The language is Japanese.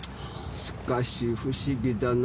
しかし不思議だな。